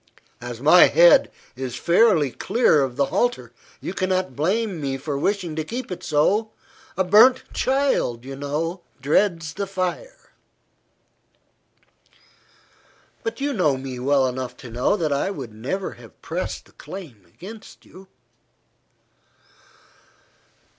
As my head is fairly clear of the halter, you cannot blame me for wishing to keep it so. A burnt child, you know, dreads the fire." "But you know me well enough to know that I never would have pressed the claim against you."